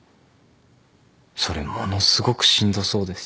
それものすごくしんどそうです。